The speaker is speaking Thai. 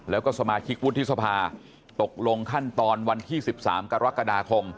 แล้วก็สมาชิกวุฒิสภาตกลงขั้นตอนวันที่๑๓กรกฎาคม